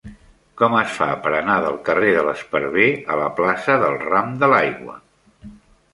Com es fa per anar del carrer de l'Esparver a la plaça del Ram de l'Aigua?